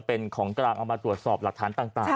เป็นของกลางเอามาตรวจสอบหลักฐานต่าง